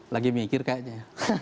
lagi mikir kayaknya